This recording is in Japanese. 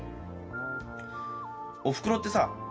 おふくろってさ